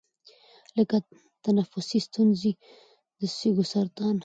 لـکه تنفـسي سـتونـزې، د سـږوسـرطـان،